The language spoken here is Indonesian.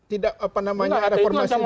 tidak apa namanya reformasi